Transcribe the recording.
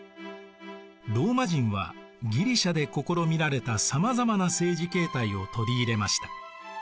ローマ人はギリシアで試みられたさまざまな政治形態を取り入れました。